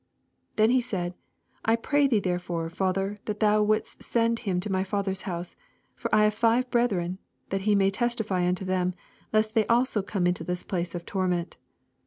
27 Then he said, I pray thee there fore, father, that thou wouldest send him to my father's house : 28 For I have five brethren : that he may testify unto them, lest they also come into this place of torment.